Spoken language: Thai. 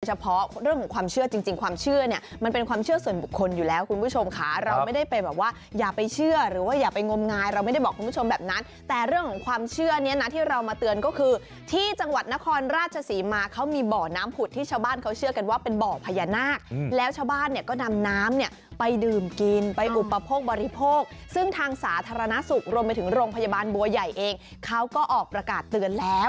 เฉพาะเรื่องของความเชื่อจริงความเชื่อเนี่ยมันเป็นความเชื่อส่วนบุคคลอยู่แล้วคุณผู้ชมค่ะเราไม่ได้ไปแบบว่าอย่าไปเชื่อหรือว่าอย่าไปงมงายเราไม่ได้บอกคุณผู้ชมแบบนั้นแต่เรื่องของความเชื่อนี้นะที่เรามาเตือนก็คือที่จังหวัดนครราชสีมาเขามีบ่อน้ำผุดที่ชาวบ้านเขาเชื่อกันว่าเป็นบ่อพญานาคแล้วชาวบ้านเน